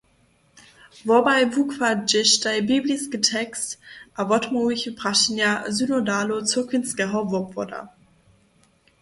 Wobaj wukładźeštaj bibliski tekst a wotmołwichu prašenja synodalow cyrkwinskeho wobwoda.